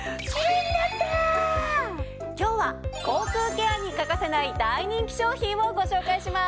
今日は口腔ケアに欠かせない大人気商品をご紹介します。